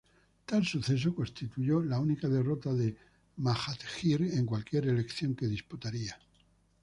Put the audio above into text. Tal suceso constituyó la única derrota de Mahathir en cualquier elección que disputaría.